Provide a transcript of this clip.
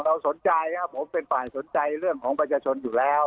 สนใจครับผมเป็นฝ่ายสนใจเรื่องของประชาชนอยู่แล้ว